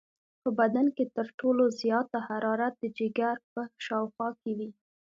په بدن کې تر ټولو زیاته حرارت د جگر په شاوخوا کې وي.